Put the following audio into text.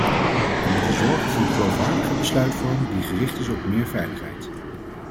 Wij moeten zorgen voor een geloofwaardiger besluitvorming die gericht is op meer veiligheid.